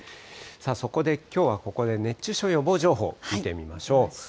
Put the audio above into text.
そこできょうは、ここで熱中症予防情報を見てみましょう。